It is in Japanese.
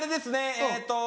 えっと